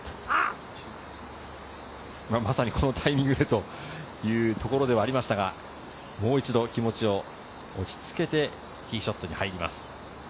まさにこのタイミングでというところではありましたが、もう一度、気持ちを落ち着けてティーショットに入ります。